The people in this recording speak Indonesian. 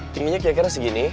timnya kira kira segini